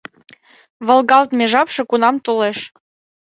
Волгалтме жапше кунам толеш